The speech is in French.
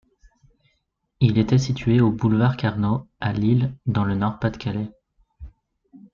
Il était situé au boulevard Carnot, à Lille, dans le Nord-Pas-de-Calais.